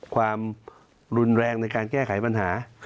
ความรุนแรงในการแก้ไขปัญหา